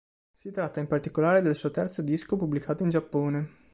Si tratta, in particolare, del suo terzo disco pubblicato in Giappone.